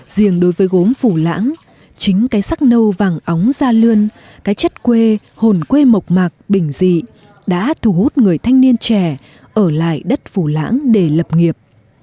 riêng đối với gốm phủ lãng chính cái sắc nâu vàng óng gia lươn cái chất quê hồn quê mộc mạc bình dị đã thu hút người thanh niên trẻ ở lại đất phù lãng để lập nghiệp